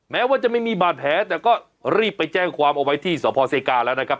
แม้ว่าจะไม่มีบาดแผลแต่ก็รีบไปแจ้งความเอาไว้ที่สพเซกาแล้วนะครับ